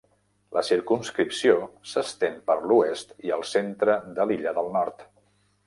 La circumscripció s'estén per l'oest i el centre de l'illa del Nord.